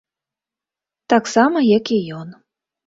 Таксама, як і ён.